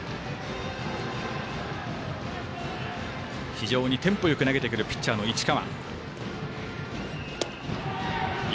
非常にテンポよく投げてくるピッチャーの市川。